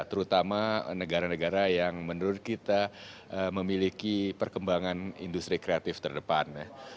terutama negara negara yang menurut kita memiliki perkembangan industri kreatif terdepan